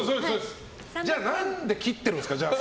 じゃあなんで切ってるんですか。